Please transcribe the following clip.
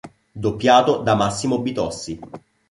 Doppiato da Massimo Bitossi.